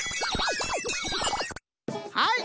はい！